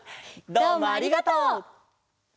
どうもありがとう！